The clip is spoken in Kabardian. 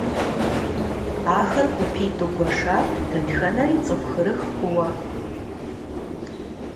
Ахэр гупитIу гуэшат, дэтхэнэри цIыху хырых хъууэ.